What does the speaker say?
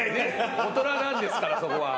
大人なんですからそこは。